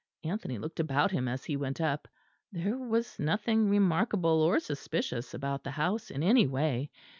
Anthony looked about him as he went up: there was nothing remarkable or suspicious about the house in any way.